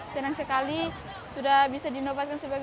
senang sekali sudah bisa dinobatkan sebagai